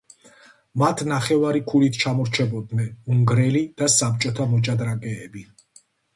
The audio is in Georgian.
მათ ნახევარი ქულით ჩამორჩებოდნენ უნგრელი და საბჭოთა მოჭადრაკეები.